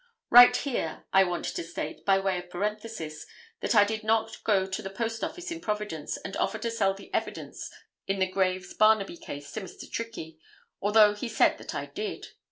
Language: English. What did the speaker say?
Right here I want to state, by way of parenthesis, that I did not go to the post office in Providence and offer to sell the evidence in the Graves Barnaby case to Mr. Trickey, although he said that I did.